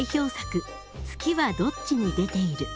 「月はどっちに出ている」。